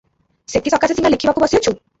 ସେଥିସକାଶେ ସିନା ଲେଖିବାକୁ ବସିଅଛୁ ।